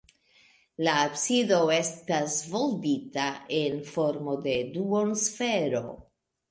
La absido estas volbita en formo de duonsfero.